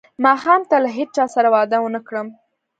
ماښام ته له هیچا سره وعده ونه کړم.